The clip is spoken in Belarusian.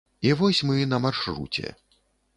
І вось мы на маршруце.